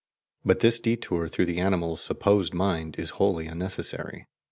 But this detour through the animal's supposed mind is wholly unnecessary.